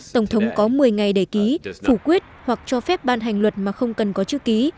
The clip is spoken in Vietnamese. tổng thống có một mươi ngày để ký phủ quyết hoặc cho phép ban hành luật mà không cần có chữ ký